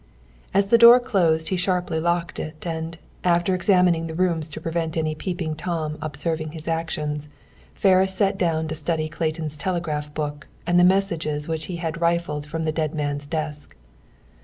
And, as the door closed, he sharply locked it, and, after examining the rooms to prevent any Peeping Tom observing his actions, Ferris sat down to study Clayton's telegraph book, and the messages which he had rifled from the dead man's desk.